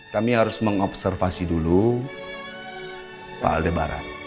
kami harus mengobservasi dulu pak aldebaran